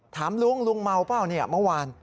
ถามลุงลุงเมาเปล่าเนี่ยเมื่อวาน